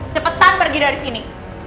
cepetan pergi dari sini